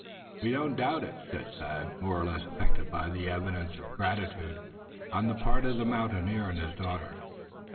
"We don't doubt it," said Thad, more or less affected by these evidences of gratitude on the part of the mountaineer and his daughter.